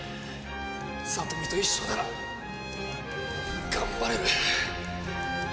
里美と一緒なら頑張れる。